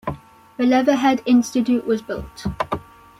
The Letherhead Institute was built.